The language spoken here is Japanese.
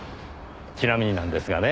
ちなみになんですがね。